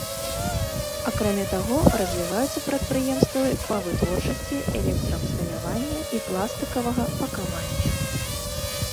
Акрамя таго, развіваюцца прадпрыемствы па вытворчасці электраабсталявання і пластыкавага пакавання.